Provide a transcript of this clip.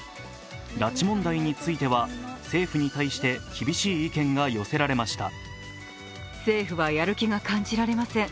拉致問題については政府に対して厳しい意見が寄せられました。